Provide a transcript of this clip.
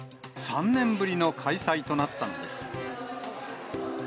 ３年ぶりの開催となったのです。